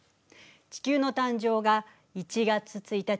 地球の誕生が１月１日。